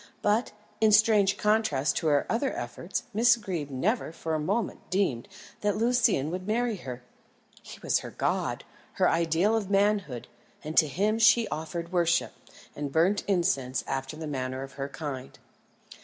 But, in strange contrast to her other efforts, Miss Greeb never for a moment deemed that Lucian would marry her. He was her god, her ideal of manhood, and to him she offered worship, and burnt incense after the manner of her kind.